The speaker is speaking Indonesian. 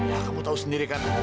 ya kamu tahu sendiri kan